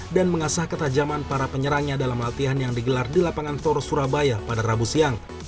dan mengasah ketajaman para penyerangnya dalam latihan yang digelar di lapangan thor surabaya pada rabu siang